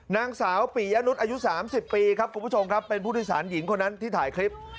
นางสาวปียะนุษย์อายุ๓๐ปีครับคุณผู้ชมครับเป็นผู้โดยสารหญิงคนนั้นที่ถ่ายคลิป